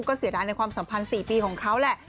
ก็เสียดายในความสัมพันธ์๔ปีของเขาแหละ